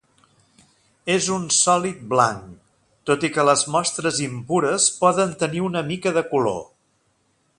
És un sòlid blanc, tot i que les mostres impures poden tenir una mica de color.